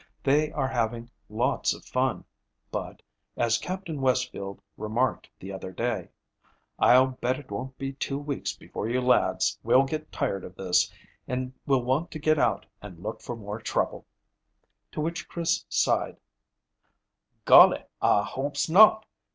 They are having lots of fun, but, as Captain Westfield remarked the other day: "I'll bet it won't be two weeks before you lads will get tired of this, and will want to get out and look for more trouble," to which Chris sighed: "Golly, I hopes not.